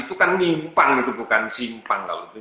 itu kan nyi mpang itu bukan simpang kalau itu